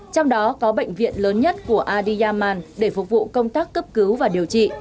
trong đó có bệnh viện lớn nhất của adyaman để phục vụ công tác cấp cứu và điều trị